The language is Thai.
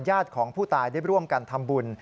ญาติของผู้ตายได้ร่วมกันทำบุญ